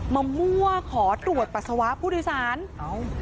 มั่วขอตรวจปัสสาวะผู้โดยสารเอ้า